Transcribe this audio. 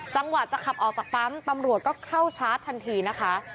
จังหวะจะขับออกจากปั๊มตำรวจก็เข้าชาร์จทันทีนะคะ